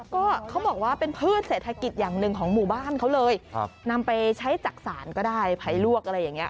ก็เขาบอกว่าเป็นพืชเศรษฐกิจอย่างหนึ่งของหมู่บ้านเขาเลยนำไปใช้จักษานก็ได้ภัยลวกอะไรอย่างนี้